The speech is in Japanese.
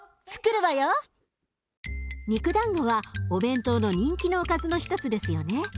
肉だんごはお弁当の人気のおかずの一つですよね。